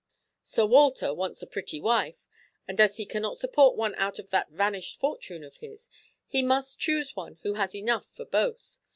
Sir Walter wants a pretty wife, and as he cannot support one out of that vanished fortune of his, he must choose one who has enough for both.